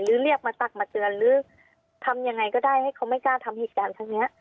เรียกมาตักมาเตือนหรือทำยังไงก็ได้ให้เขาไม่กล้าทำเหตุการณ์ครั้งนี้